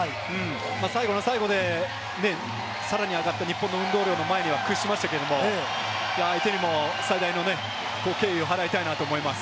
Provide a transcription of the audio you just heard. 最後の最後でさらに上がった日本の運動量の前には屈しましたけれども、相手にも最大の敬意を払いたいなと思います。